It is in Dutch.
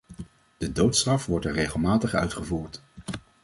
De doodstraf wordt er regelmatig uitgevoerd.